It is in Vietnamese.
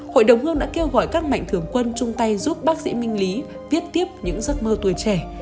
hội đồng hương đã kêu gọi các mạnh thường quân chung tay giúp bác sĩ minh lý viết tiếp những giấc mơ tuổi trẻ